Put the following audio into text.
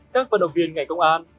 các vận động viên ngành công an